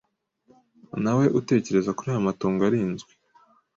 Na we Utekereza kuri aya matongo arinzwe